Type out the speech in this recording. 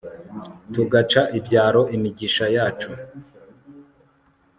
tugaca ibyaro imigisha yacu